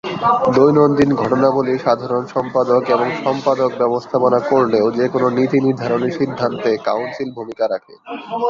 দৈনন্দিন ঘটনাবলী সাধারণ সম্পাদক এবং সম্পাদক ব্যবস্থাপনা করলেও যেকোনো নীতি নির্ধারণী সিদ্ধান্তে কাউন্সিল ভূমিকা রাখে।